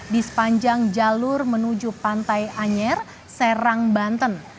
di sepanjang jalur menuju pantai anyer serang banten